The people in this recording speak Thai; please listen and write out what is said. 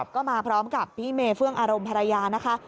ก็มาพร้อมกับพี่เมเฟื่องอารมณ์ภรรยานะคะ